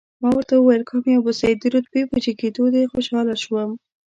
ما ورته وویل، کامیاب اوسئ، د رتبې په جګېدو دې خوشاله شوم.